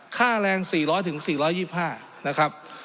ค่าแรง๔๐๐๔๒๕นะครับ